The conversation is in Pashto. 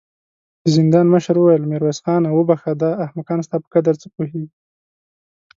د زندان مشر وويل: ميرويس خانه! وبخښه، دا احمقان ستا په قدر څه پوهېږې.